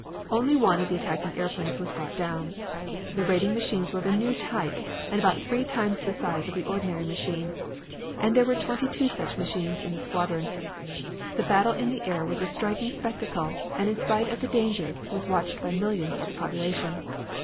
Only one of the attacking airplanes was brought down. The raiding machines were of a new type, about three times the size of the ordinary machine, and there were twenty two such machines in the squadron. The battle in the air was a striking spectacle and in spite of the danger was watched by millions of the population.